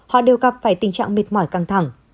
họ đều gặp phải tình trạng mệt mỏi căng thẳng